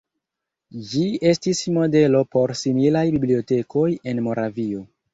Ĝi estis modelo por similaj bibliotekoj en Moravio.